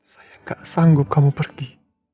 saya gak sanggup kamu pergi